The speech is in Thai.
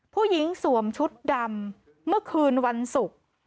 สวมชุดดำเมื่อคืนวันศุกร์